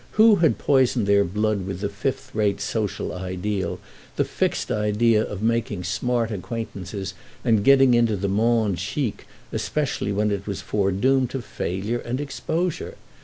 Who had poisoned their blood with the fifth rate social ideal, the fixed idea of making smart acquaintances and getting into the monde chic, especially when it was foredoomed to failure and exposure?